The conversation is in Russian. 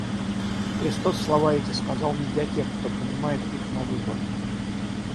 Христос слова эти сказал не для тех, кто понимает их навыворот.